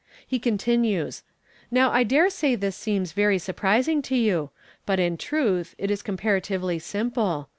He continues, " Now I d^re say this seems very sur prising to you, but in truth it is comparatively simple.